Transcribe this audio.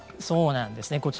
そうなんですね。